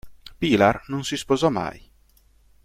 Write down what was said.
Pilar non si sposò mai.